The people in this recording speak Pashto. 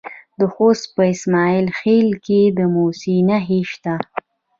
د خوست په اسماعیل خیل کې د مسو نښې شته.